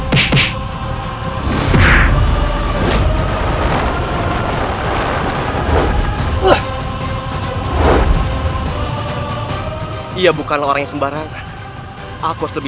kenapa kau sangat membenci